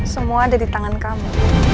semua ada di tangan kamu